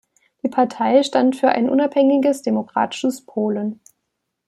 Die Partei stand für ein unabhängiges und demokratisches Polen.